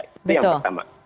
itu yang pertama